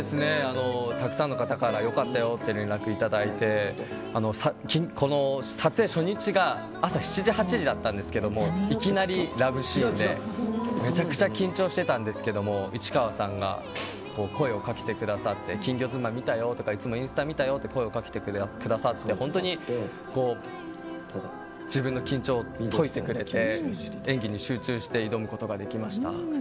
たくさんの方からよかったよって連絡いただいて撮影初日が朝７時、８時だったんですけどいきなりラブシーンでめちゃくちゃ緊張してたんですけども市川さんが声をかけてくださって「金魚妻」見たよとかインスタ見たよっていつも声掛けてくださって本当に自分の緊張を解いてくれて演技に集中して挑むことができました。